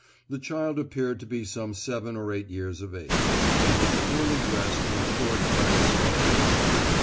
The child appeared to be some seven or eight years of age, and was poorly dressed in a short black stuff frock.